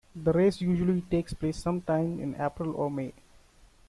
The races usually take place sometime in April or May.